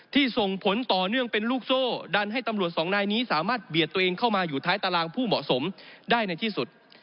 ส่งผลต่อเนื่องเป็นลูกโซ่ดันให้ตำรวจสองนายนี้สามารถเบียดตัวเองเข้ามาอยู่ท้ายตารางผู้เหมาะสมได้ในที่สุด